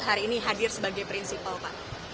hari ini hadir sebagai prinsipal pak